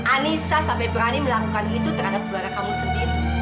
anissa sampai berani melakukan itu terhadap keluarga kamu sendiri